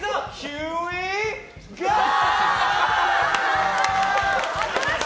ヒアウィーゴー。